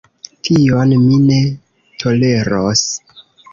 Tion mi ne toleros!